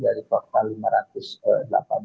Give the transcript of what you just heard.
dari total lima ratus tujuh puluh lima anggota dewan